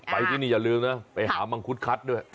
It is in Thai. ไปที่นี่อย่าลืมนะไปหามังคุดคัดด้วย